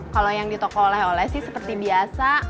kalau yang ditokoh oleh oleh sih seperti biasa